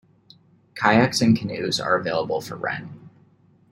Kayaks and canoes are available for rent.